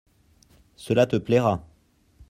Cela te plaira.